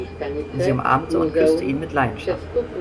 Sie umarmte und küsste ihn mit Leidenschaft.